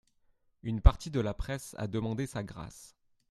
Une partie de la presse a demandé sa grâce.